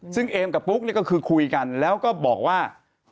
ซึ่งเอมกับปุ๊กนี่ก็คือคุยกันแล้วก็บอกว่า